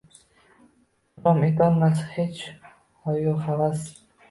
Rom etolmas hech hoyu-havas